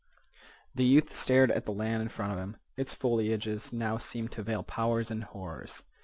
The youth stared at the land in front of him. Its foliages now seemed to veil powers and horrors.